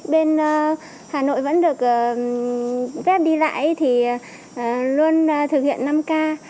bên hà nội vẫn được phép đi lại thì luôn thực hiện năm k